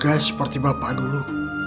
kamu gagal seperti bapak dulu